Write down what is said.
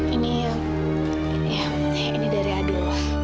ini yang ini dari adil